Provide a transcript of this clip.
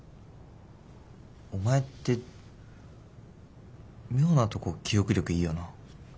お前って妙なとこ記憶力いいよな。